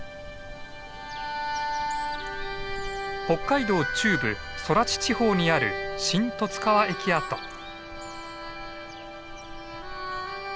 北海道中部空知地方にある新十津川駅跡。